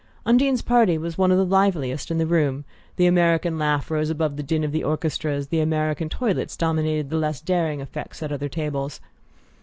Undine's party was one of the liveliest in the room: the American laugh rose above the din of the orchestra as the American toilets dominated the less daring effects at the other tables.